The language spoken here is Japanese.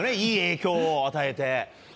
いい影響を与えて。